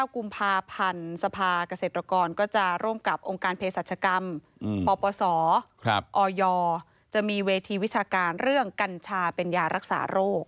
กุมภาพันธ์สภาเกษตรกรก็จะร่วมกับองค์การเพศรัชกรรมปปศออยจะมีเวทีวิชาการเรื่องกัญชาเป็นยารักษาโรค